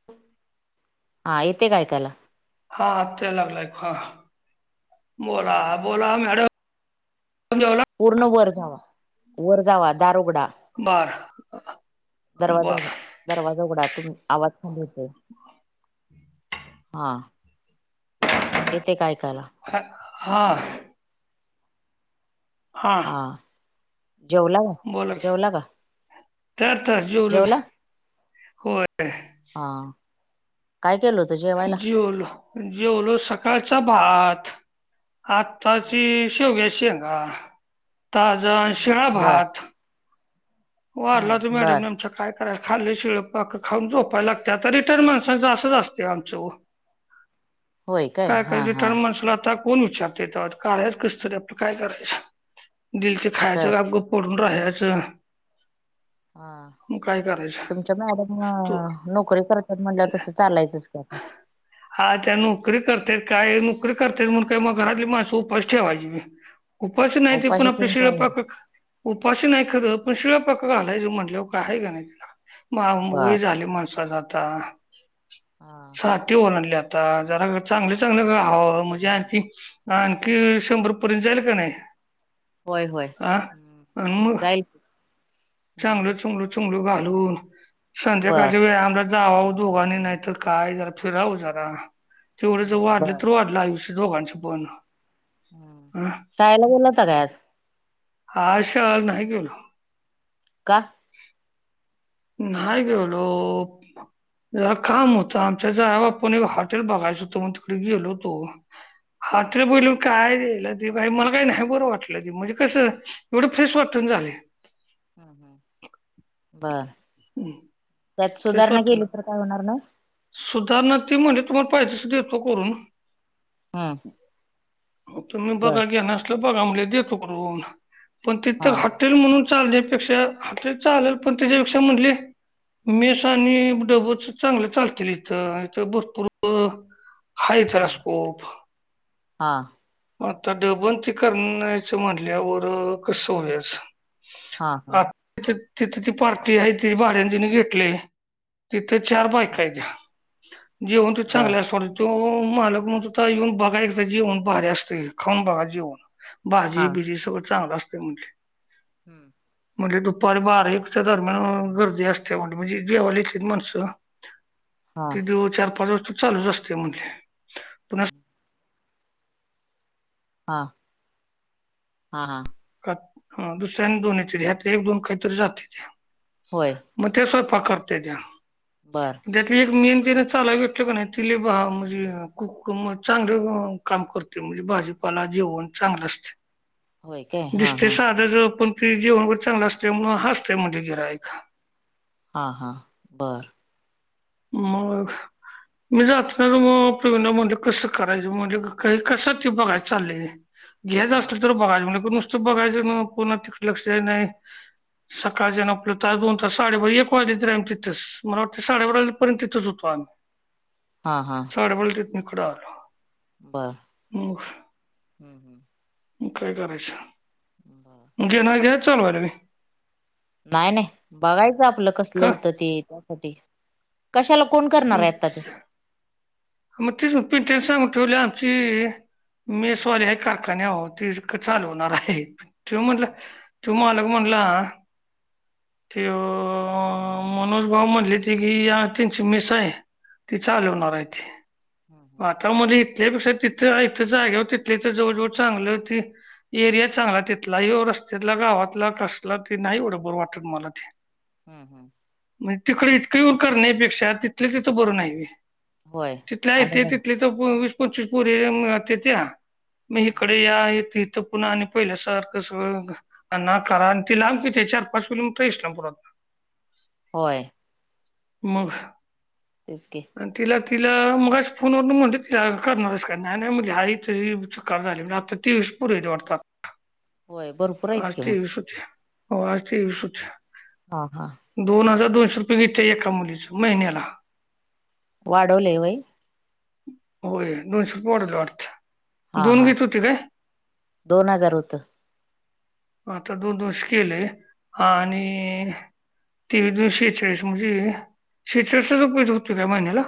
[unintelligible] हा येते काय ऐकायला? हा ते लागलाय फार बोला बोला मॅडम. तुम्ही जेवला? पूर्ण वर जावा वर जावा दार उघडा. बर दरवाजा बर. उघडा दरवाजा उघडा तूमी आवाज थंड होतोय. हा येते काय ऐकायला? हाय हा. हा जेवला गा बोला की. जेवला का? तर तर जेवलो जेवला की होय. हा काय केल होत? जेवलो जेवलो सकाळच्या भात आताची शेवग्याच्या शेंगा ताज शिळा बर भात हो लत बर मॅडम खा हा खाल्लंय शिळ पाक खाऊन झोपायला लागतंय आता रिटर्न माणसाचं असंच असतंय आमचं वो होय काय काय हा हा रिटर्न माणसाला आता कोण विचारते काायच कसतरी आपलं काय करायच दिल ते तर खायचं ग पडून राहायचं हा मग काय करायचं तुमच्या मॅडम तू नोकरी करतात म्हणल्या तसं चालायचंच की आता हा त्या नोकरी करतत काय नोकरी करतेत म्हण काय मग घरातली माणसं उपाशी ठेवायचीे मी उपास नाहीचे पण उपाशी आपल्या ठेवून शीळ काय होईल पाक नाही आहे खरं पण शिळ पक्क घालायच म्हटलं का आहे का नाही तिला मग बर वय झाली माणसाचं आता हा साठी ओर आणडले आता जरा चांगले चांगले ग हवं म्हणजे आणि आणखी शंभर पर्यंत जाईल का नाही होय होय हा आणि मग जाईल की. चांगल चुंगलो चुंगलो घालून बर संध्याकाळच्या वेळ आमला जावा दोघांनी नाही तर काय जरा फिरावं जरा तेवढे जर हम्म बर वाढले तर वाढ आयुष दोघांची पण हं? ताईला बोलता का आज आशा नाही गेलो का? नाहीय गेलो जरा काम होतं आमच्याव आपण एक हॉटेल बघायचं होतो मग तिकडे गेलो होतो. हॉटेल बोल कायला ते बाई मला काही नाही बरं वाटलं ते म्हणजे कसं एवढं फ्रेश वाटण झाले. हम ह बर हम त्यात सुधारणा केली तर काय होणार नाही. सुधारणा ती म्हणजे तुम्हाला पाहिजेच देतो करून हम हो तुम्ही बघा घ्या नसल बघा म्ह देतो कर पण हा तिथात हॉटेल म्हणून चाल त्यापेक्षा हॉटेल चालेल पण त्याच्यापेक्षा म्हटले मेस आणि डबूच चांगलं चालतं. इथ इथ ब पूर हाय तेला हा स्कोप हा मग आता डबनती करण्यायचं म्हणल्यावर कस होयाचं हां हां तिथ तिथे ती पार्टी आहे त भाड्याने घेतली. तिथे चार बायका आहेत. जेवण ते बर चांगले असत त मालक म्हण त येऊन बघा एकदा जेवण भारी असत. ते खाऊन बघा जेवन भाजी हा बिजी सगळं चांगलं असते म्हटले. हम्म, म्हणले दुपारी बार एकच्या दरम्यान गर्दी असते म्हणल म्हणजे जेवायला येतेथे माणसं. हा ते दिव चार पाच वाजता चालूच असते म्हजले. हम, ''हां ''हां ''हां'' हा हा, दुसऱ्यानी दोन येतत एक दोन काहीतरी जात्यात त्या. होय, म त्या स्वयंपाक करते त्या. बर त्यातली एक मेन जीनस चालाव घेतली का नाही तिले बा म्हणजे कुक म चांगलं. काम करते म्हणजे भाजीपाला जेवण चांगलं असते. होय काय हा दिसते हा साधा ज पण ते जेवण वगैर चांगलं असते असतेय म्हणले गिह्राईक. हा हा बर, मग, मी जात ना मग प्रवीणा म्हणले कसं करायचं म्हणले काही कस ते बघाय चाललेय. घ्यायचं हा असल तर बघा म्हणले नुसतं बघायचं ना पुन्हा तिकडे लक्ष नाही. सकाळच्याण आपलं तास दोन तास साडेबार एक वाजले तर आम्ही तिथेच मला वाटतं साडेबारा. परंतु तिथच होतो आम्ही. हा हा, से पलतन कडल [unintelligible] बरं हम हम, मग काय करायच. ''हं'' बर, घे ना [unintelligible] गॅस चालवायलो मी. नाही नाही बघायचं आपलं कसलं का होतं ते त्यासाठी कशाला कोण छ कर ''--'' मग ते प ते सांग ठेवले आमची [unintelligible] मी हम्म सॉरी हाय काकांनी यावं तीच का चालवणार हाय त्यो म्हणलं. हम्म तो मालक म्हणला. त्यो मनोज भाऊ म्हणले ती की या त्यानचे. ते मेस आहे ती चालवणार आहे ते हम्म हम्म आता मले. त्यापेक्षा तिथं इथं जाग्यावर तिथल्या इथ जवळ जवळ चांगलं होती. एरिया चांगला तिथला ह्यो रस्त्यातला गावातला कसला ते नाही एवढ बर वाटत मला ते. [inaudible] हम हम, म्हणजे तिकडे इतकं येऊन करण्यापेक्षा तिथलं तिथं बरं नाही होय. होय तिथले आहे आम्ही ते घर तिथले तर वीस पंचवीस पोर येत्या. मग इकडे या आहे इथं पुन्हा आणि पहिल्या सारखं सगळं मग. आना करा आणि ती लांब कितीे चार पाच किलोमीटर इस्लामपूरात. होय, मग, तेच की, तिला-तिला मग फोनवर म्हणते तिला करणारच का नाही-नाही म्हणले आई तरी कर झाली आत्ता. तेवीस पोरी वाटतं होय भरपूर आहेत आज कि मग तेवीस होत्या. होय आज तेवीस होत्या. हा हा, दोन हजार दोनशे रुपये घेते एका मुलीच महिन्याला. वाढवले होय होय दोनशे रुपये वाढवले वाटत. हा दोन हा घेत होती काय दोन हजार होत आता दोन- दोनशे केले हम्म आणि तेवीस दोन्ही शेचाळीस म्हणजे [inaudible] होते काय महिन्याला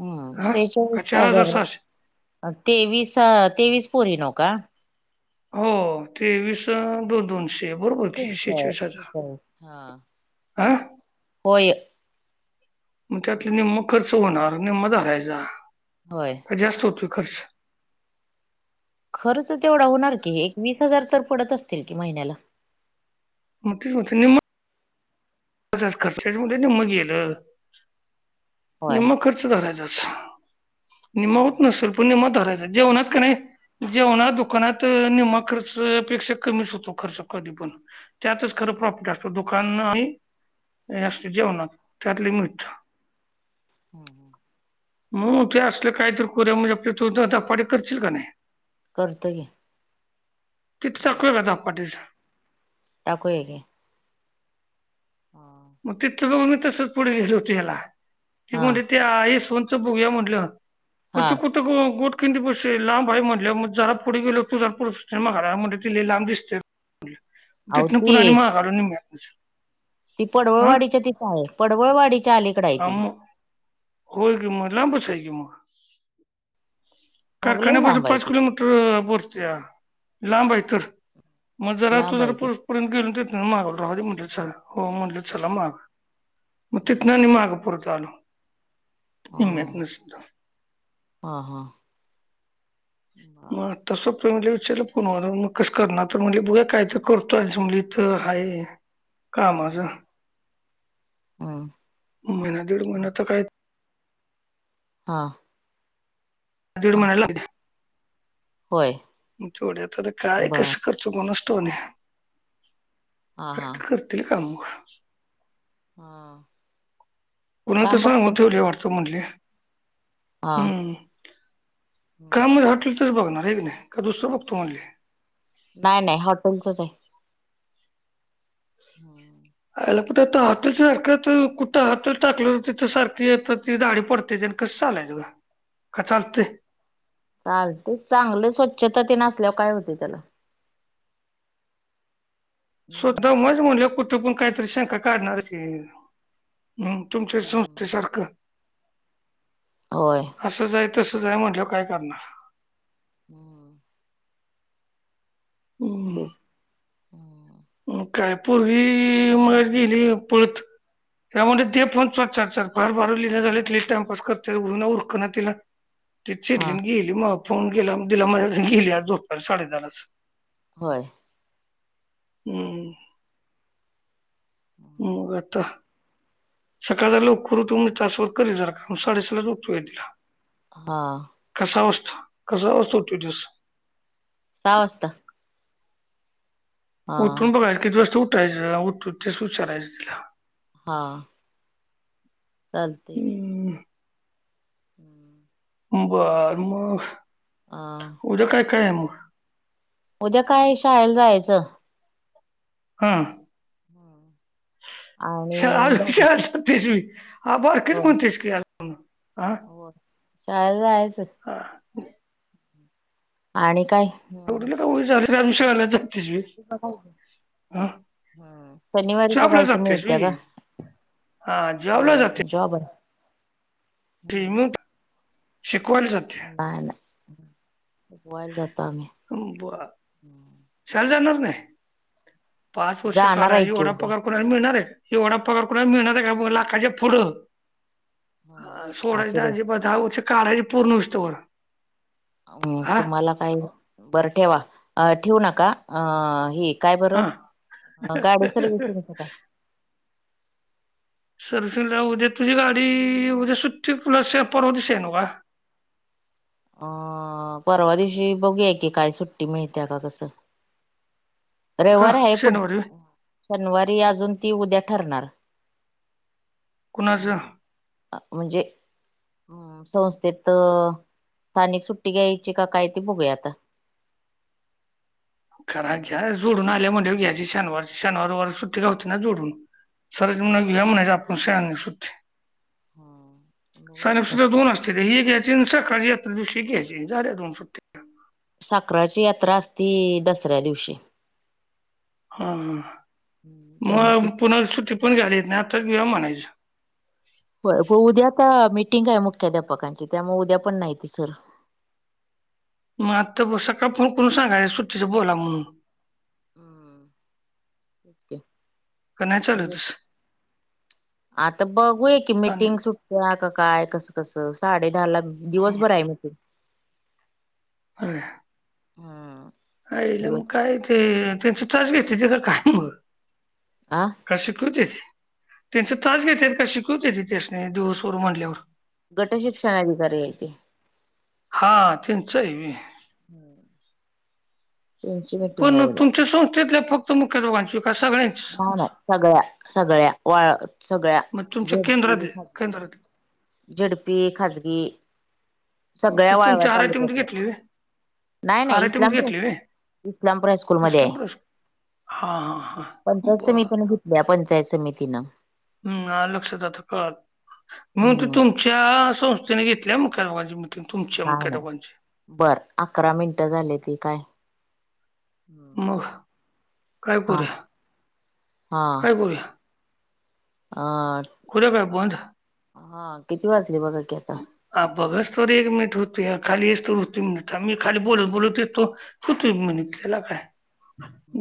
हम्म हा का शेचाळीस चार हजार सहाशे आहे तेवीस तेवीस पोरी नव का. हो तेवीस दोन दोनशे बरोबर की शेहेचाळीस हजार [unintelligible] हा हा होय मग त्यातले निम्म खर्च होणार निम्म धरायचा होय जास्त होतोय खर्च खर्च तेवढा होणार की एक वीस हजार तर पडत असतील की महिन्याला होतील होतील निम्म पच खर्चाच निम्म गेलं होय निम्मा खर्च धरायचाच निम्मा होत हम्म नसेल पण नि्मा धरायच जेवणात का नाही जेवण दुकानात निम्मा खर्चपेक्षा कमीच होतो खर्चकधी पण त्यातच खरं प्रॉफिट असतो दुकान आणि असते जेवणात त्यातले मीठ हम् हम् मू ते असले काहीतरी को म्हणजे आपल्या चौ पाडी करशील का नाही करतो घे ति चकले घ [unintelligible] दा पाटेचा टाकू आहे [unintelligible] काे हा मग तिथलं बघ मी तसच पुढेल होत याला हा की त्या यशांचा बघूया म्हटलं मग हा तू कुठ गोट किंती पाशी लांब आहे म्हटलंग जरा पुढे गेल्यावर तूझ पुर [unintelligible] म घरा म्ह ते लई लांब दिसते तिथंन पुन्हा अवती महागाडून्यात ती पडवळवाडीच्या तिथं आहे पडवळवाडीच्या अलीकड आहे हा ती मग होय गे मग लांबचचय आहे की मग मग लय कारखानपूर लांब आहे पाच ती किोमीटर बोलत्या, लांब आहे तर मग जरा तू लांब जरा आहे ती परंत घेऊन गेलो मागा राह म्हटलंला हो म्हटलं चला माग मग ह तितनं आणि मागं परत आलो नि्त [unintelligible] सुद्ध हा हा मग तसं प म्हला विचारलं पुन मग कसं करणार तर म्हणले बघा काय तर करतो आणि म्हटली तर आहेा का माझ, महिना दीड महिना तर काय हा दीड हा महिना लागणार होय मग [inaudible] काय बर कस कर असतो की नाही, हा काय हा तर करतील कामग हा कोणाला तर काम बघतो सांगून म्हणलं ठेवले वाटत म्हटले हा काम राहतो तर बघणार हाय की नाही का दुसरं बघतो म्हणले नाहीं नाहीं हॉटेलचंच आहे हम्मं आंला पठे आंता हॉटेल सारखं कुठं हॉटेल टाकलं तिथं सांरखी येतं ती दांडी पडते जां कसं आंला आहेतं गं चालंतय चालते चांगले स्वच्छतां ते तीनसल्यांवर कायं होते त्यांला स्वंतः मजां म्हणले कुठे पणं कांहीं तरी शंका काढणारं की हम्मं तुमच्यां संस्थेसांरखं होयं असं जाई तसं जां आहे म्हटलं कायं करणारं हम्मं तेचं हो कायं पोरंगी मां गेली पळतं त्यांमुळे ते फोन स्विच चार फांर बारलीलं झाले ति टाईमपास करते उरक नां तिलां ती हा चिटली गेली मंग फोन केलां दिलां म्यां गेली आंज झोपायला साडे दाहालांस होयं हम्म. पाहूं आंता सकाळंचा लोवकरं ऊठ तासांवर करलं जाणारं कामं साडेसहालांच उठोय तिलां हां कसां वां असतो कसां वां असतो तो दिवसं सहा वाजतां. उठूंन बघायचं किती वाजतं उठायचं ऊठ तेसं विचारायचं तिलां. हां. चालते की. हम्म. हम्मं. बरं मंग हां उद्यां कायं कायं आहे मगं. उद्यां कायं आहे शाळेलां जायचं. हां होमं शं सतेसी. हो हा हो शाळेला जायांच. हा आणि कायं? चार चार दिवसं आल्याचं. आंता पाहूं हम्मं शनिवारी जॉबला बघांयचं जातेस मिळत्यां मी कायं. हा जॉबला होयं जॉबर. त्रिमूंठ शिकवांयला जाते. कांहीं नायं बाहेर जातो आम्हीं. हम्मं बरं शाळेलां जाणारं नाहीं. पांच वर्षे जाणार आहे काढायचं की एवढां उद्या. पगांर. लां मिळणारं आहे एवढां पगांर कोणांला मिळणारं आहे कां मंग लाखांचे फुडं. असू दे सोडांचीजे बघां दहा वर्ष काढांचे पूर्ण विस्तंवर. हम्मं तुम्हांला कांहीं बरं ठेवा. अं ठेऊ नकां अं हे... कायं बरं हा गांडी सर्विसिंगला टांक. सर्व्हसिंगला उद्या तुझी गाडी उद्या सुट्टी तुला शे परवा दिवशी आहे नव्ह? अ परवा दिवशी बघूया की काय सुट्टी मिळत्या काय कसं? का रविवार आहे. पुढ शनिवारी शनिवारी अजून ती उद्या ठरणार. कुणाचं अ म्हणजे हम् संस्थेत स्थानिक सुट्टी घ्यायची का काय ते बघूया आता. खरा हम्म. घ्या जोडून आल्या म्हणल्यावर घ्याची शनिवारची शनवारी रविवार सुट्टी गावते ना जोडून. सर म्ह हम्म घ म्हणायच आपण सहा सुद् हम्म बघूया सहा सु दोन असत. ती काय एक घ्यायची सरकारी दिअशी एक झाल्या दोन सुट्ट्या. साखराची यात्रा असती दसऱ्या दिवशी. हा त्यामुळे ते मग पुन्हा सुट्टी पण घ्याल चेत नाही आताच घिवा म्हणायचं. होय. उद्या आता मीटिंग आहे मुख्याध्यापकांची त्यामुळे उद्या पण नाही ती सर. मग आता सकाळ फोन करून सांगायच सुट्टीचं बोला म्हणून. [inaudible] का नाही चालत तसं आता बघूय की आणि मिटिंग सुट त्या का काय कसं -कसं साडे दहा ला दिवसभर आहे मीटिंग. ह हम्म. आईला मग काय ते त्यांची तास घेत्याती काय मग? आ? काय शिकवतीस? त्यांच तास घेत्याती काय शिकवतीेते त्यासनी दिवसभर म्हणल्यावर. गट शिक्षणा अधिकारी आहेत ते. हा त्यांच हाय व्हय. [inaudible] त्यांची मिटिंग आहे पण उद्या तुमच्या संस्थेतल्या फक्त मुख्य दोघांची का सगळ्यांची? हो ना? सगळ्या - सगळ्या वाळ सगळ्या झेडपी केंद्रतली - - झेडपी, खजगी ते सगळ्या वाळव्या तुमच्या आर आय टी मध्ये तालुक्यातल्या. घेतली व्हय नाही आर नाही आय टी मध्ये इस्लामपूर घेतली व्हय इस्लामपूर हायस्कूल मध्ये इस्लाम आहे. प्रस हा हा हा बर ती पण घेतल्या पंचायत समितीन. हम् आल लक्षात आता कळाल म त हम्म तुमच्या संस्थेने घेतल्या मुख्य दोघांची की तुमच्या काय मुख्य नाही. दोघांची बर अकरा मिनटं झाले ती काय? मग काय हा करूया? काय करूया? आ करूया काय बंद. हा किती वाजले बघा की आता. हा बघस तवर एक मिनिट होतुया खाली येऊस तवर मिनिट थांब मी खाली बोलत बोलत येतो. होतुय एक मिनिट तेला काय?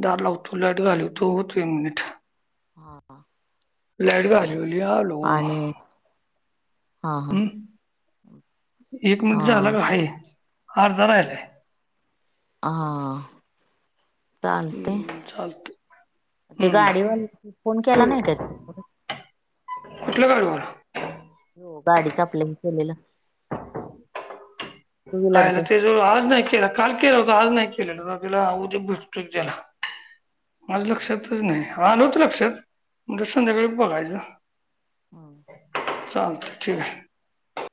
दार लावतो. लाईट घालवतो. होतोय मिनिट. हा. लाईट घालवली आलो. आणि हा हा. हम्म एक हा मिंट झालं काय हाय? अर्धा राहिलाय. हा. चालतय. हम्म चालत ते हम्म गाडी वाल फोन केला नाही काय? कुठल गाडवर. गाडी कापल्या म केलेल. व्हीलरच आयला ते जवळ आज नाही केल काल केल होत आज नाही केलेल होता तिला उद्या भत त्याला. माझ हा लक्षातच नाही, हा नव्हत लक्षात म्हणजे संध्याकाळी बघायच. हा चालत ठीक आहे.